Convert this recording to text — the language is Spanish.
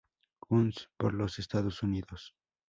Guns por los Estados Unidos.